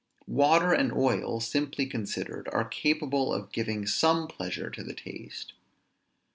Water and oil, simply considered, are capable of giving some pleasure to the taste.